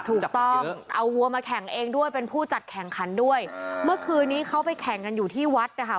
ถูกต้องเอาวัวมาแข่งเองด้วยเป็นผู้จัดแข่งขันด้วยเมื่อคืนนี้เขาไปแข่งกันอยู่ที่วัดนะคะ